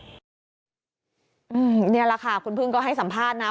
นี่แหละค่ะคุณพึ่งก็ให้สัมภาษณ์นะ